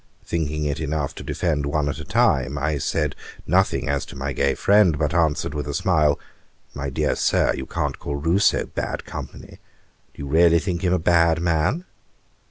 Thinking it enough to defend one at a time, I said nothing as to my gay friend, but answered with a smile, 'My dear Sir, you don't call Rousseau bad company. Do you really think him a bad man?'